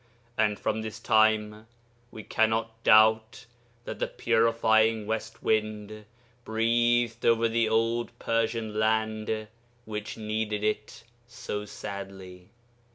And from this time we cannot doubt that the purifying west wind breathed over the old Persian land which needed it so sadly.